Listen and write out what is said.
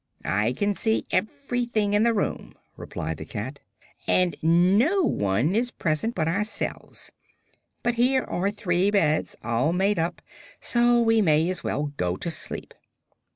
"I can see everything in the room," replied the cat, "and no one is present but ourselves. But here are three beds, all made up, so we may as well go to sleep."